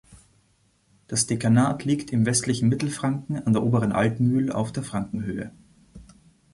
Das Dekanat liegt im westlichen Mittelfranken an der oberen Altmühl auf der Frankenhöhe.